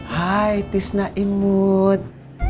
hai tisna imut